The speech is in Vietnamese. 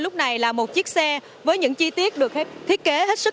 và chú trọng về khâu